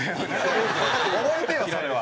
覚えてよそれは。